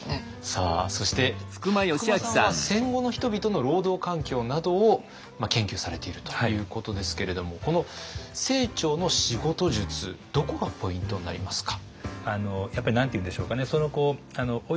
さあそして福間さんは戦後の人々の労働環境などを研究されているということですけれどもこの清張の仕事術どこがポイントになりますか？